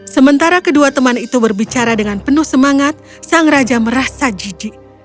sementara kedua teman itu berbicara dengan penuh semangat sang raja merasa jijik